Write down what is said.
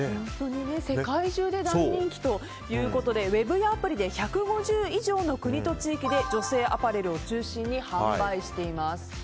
世界中で大人気ということでウェブやアプリで１５０以上の国と地域で女性アパレルを中心に販売しています。